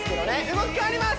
動き変わります